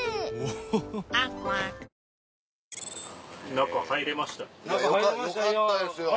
中入れましたね。